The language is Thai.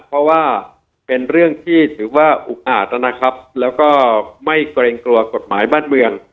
เพราะว่าเป็นเรื่องที่ถือว่าอุกอาจนะครับแล้วก็ไม่เกรงกลัวกฎหมายบ้านเมือง